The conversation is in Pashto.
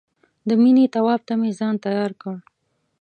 د مینې طواف ته مې ځان تیار کړ.